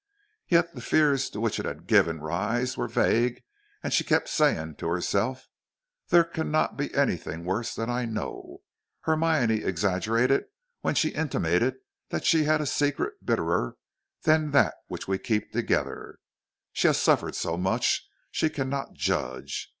Yet the fears to which it had given rise were vague, and she kept saying to herself: "There cannot be anything worse than I know. Hermione exaggerated when she intimated that she had a secret bitterer than that we keep together. She has suffered so much she cannot judge.